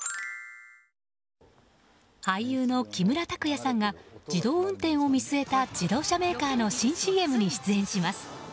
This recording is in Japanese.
俳優の木村拓哉さんが自動運転を見据えた自動車メーカーの新ＣＭに出演します。